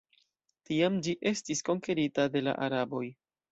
Tiam ĝi estis konkerita de la araboj.